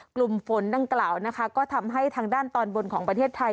กลุ่มฝนดังกล่าวนะคะก็ทำให้ทางด้านตอนบนของประเทศไทย